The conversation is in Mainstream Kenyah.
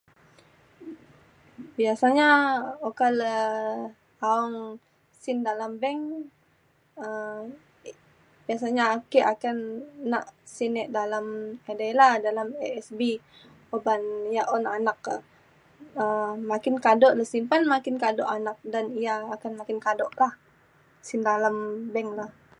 biasanya okok le aong sin dalem bank um biasanya ake akan nak sin e dalam edei la dalam ASB uban ia’ un anak e um makin kado le simpan makin kado anak dan ia’ akan makin kado lah sin dalem bank le